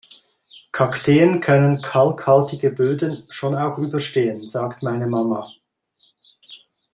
Kakteen können kalkhaltige Böden schon auch überstehen, sagt meine Mama.